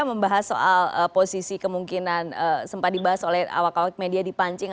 membahas soal posisi kemungkinan sempat dibahas oleh awak awak media di pancing